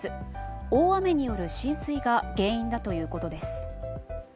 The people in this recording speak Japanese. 大雨による浸水が原因だということです。